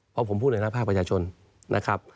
เพราะผมพูดเลยนะภาคประชาชนนะครับ